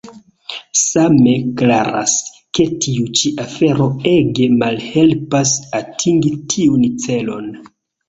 Same klaras, ke tiu ĉi afero ege malhelpas atingi tiun celon.